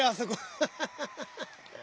ハハハハハ。